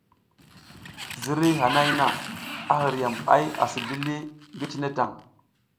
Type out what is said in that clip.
Ziriy hanay na, a hiriyam ay asi zlili ngi cine tan.